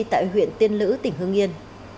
tại huyện tiên lữ tỉnh hưng yên